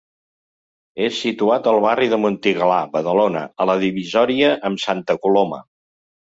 És situat al barri de Montigalà, Badalona, a la divisòria amb Santa Coloma.